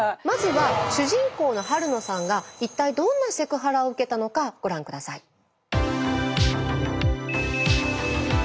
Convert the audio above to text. まずは主人公の晴野さんがいったいどんなセクハラを受けたのかご覧下さい。